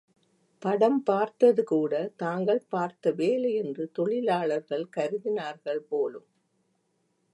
படம் பார்த்தது கூட தாங்கள் பார்த்த வேலை என்று தொழிலாளர்கள் கருதினார்கள் போலும்!